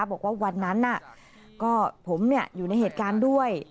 บอกว่าวันนั้นก็ผมอยู่ในเหตุการณ์ด้วย